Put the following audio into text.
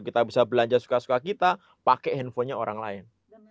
kita bisa belanja suka suka kita pakai handphonenya orang lain